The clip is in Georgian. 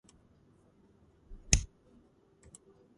ფარაონი ცნობილია არამარტო აბიდოსის წარწერებიდან.